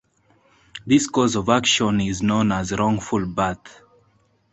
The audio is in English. This cause of action is known as wrongful birth.